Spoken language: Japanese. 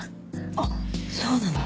あっそうなの？